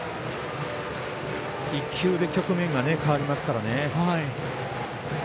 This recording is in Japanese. １球で局面が変わりますからね。